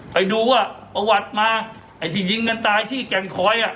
ไปดูว่าประวัติมาไอ้ที่ยิงกันตายที่แก่งคอย